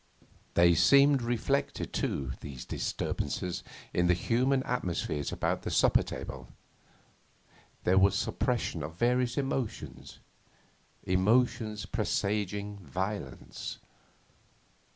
They seemed reflected, too, these disturbances, in the human atmospheres about the supper table there was suppression of various emotions, emotions presaging violence.